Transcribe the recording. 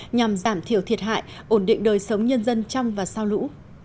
nhằm giảm thiểu thiệt hại ổn định đời sống nhân dân trong và sau lũ